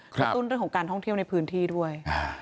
กระตุ้นเรื่องของการท่องเที่ยวในพื้นที่ด้วย